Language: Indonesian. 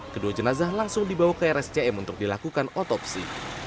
kedua jenazah langsung dibawa ke rscm untuk dilakukan otopsi